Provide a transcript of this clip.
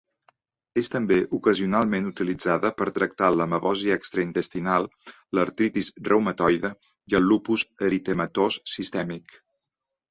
És també ocasionalment utilitzada per tractar l'amebosi extraintestinal, l'artritis reumatoide i el lupus eritematós sistèmic.